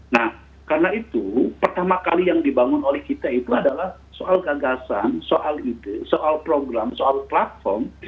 nah karena itu pertama kali yang dibangun oleh kita itu adalah soal gagasan soal ide soal program soal platform